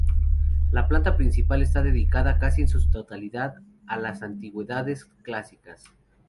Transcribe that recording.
La planta principal está dedicada casi en su totalidad a las antigüedades clásicas.